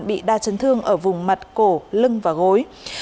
bị đa chấn thương ở vùng mặt cổ lưng và gối